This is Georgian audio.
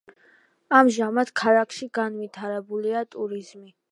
ამჟამად ქალაქში განვითარებულია ტურიზმი.